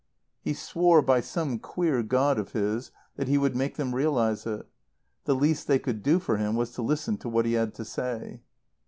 He swore by some queer God of his that he would make them realize it. The least they could do for him was to listen to what he had to say.